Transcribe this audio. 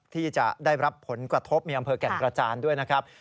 ที่จะได้รับผลกระทบในอำเภอแก่งกระจานด้วยนะครับ